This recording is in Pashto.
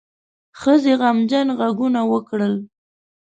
ښځې غمجنه غږونه وکړل.